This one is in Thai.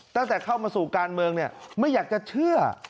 ตั้งแต่เข้ามาสู่การเมืองไม่อยากจะเชื่อ